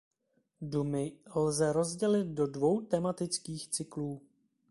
Dumy lze rozdělit do dvou tematických cyklů.